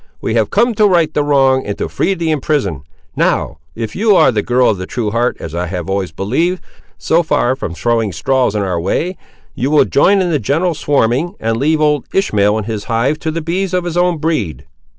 We have come to right the wronged and to free the imprisoned; now, if you are the girl of a true heart, as I have always believed, so far from throwing straws in our way, you will join in the general swarming, and leave old Ishmael and his hive to the bees of his own breed."